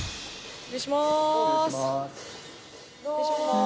失礼します。